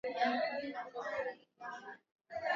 gavana wa benki ndiye mwenyekiti wa kamati hiyo